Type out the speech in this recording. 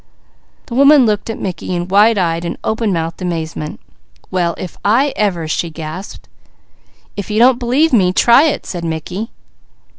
The woman looked at Mickey in wide eyed and open mouthed amazement: "Well if I ever!" she gasped. "If you don't believe me, try it," said Mickey.